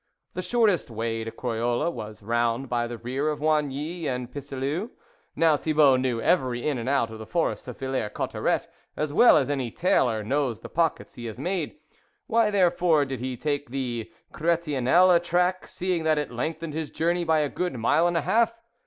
The shortest way to Croyolles was round by the rear of Oigny and Pisseleu. Now Thibault knew every in and out of the forest of Villers C otter ets as well as any tailor knows the pockets he has made; why, therefore, did he take the Chretiennelle track, seeing that it length ened his journey by a good mile and a half